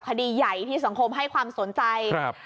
คดีใหญ่ที่สังคมให้ความสนใจครับ